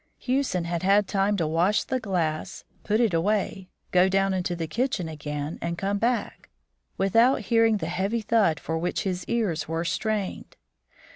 Hewson had had time to wash the glass, put it away, go down into the kitchen again, and come back, without hearing the heavy thud for which his ears were strained.